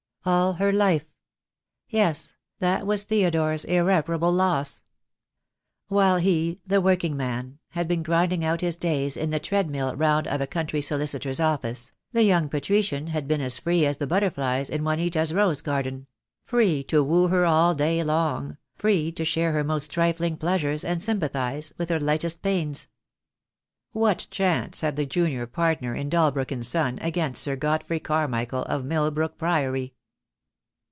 All her life! Yes, that was Theodore's irreparable loss. While he, the working man, had been grinding out his days in the treadmill round of a country solicitor's office, the young patrician had been as free as the butter flies in Juanita's rose garden; free to woo her all day long, free to share her most trifling pleasures and sym pathize with her lightest pains. What chance had the junior partner in Dalbrook & Son against Sir Godfrey Carmichael of Milbrook Priory?